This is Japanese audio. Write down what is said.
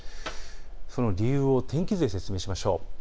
その理由を天気図で説明しましょう。